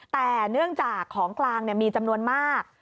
แต่เนื่องจากของกลางมีจำนวนมาก